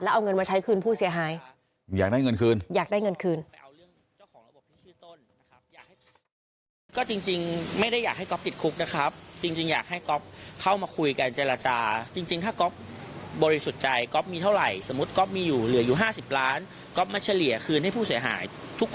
แล้วเอาเงินมาใช้คืนผู้เสียหาย